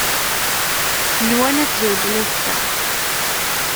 Nwan ad zewǧen azekka.